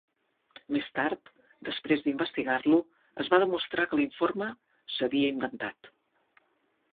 Més tard, després d'investigar-lo, es va demostrar que l'informe s"havia inventat.